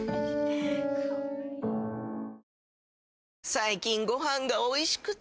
最近ご飯がおいしくて！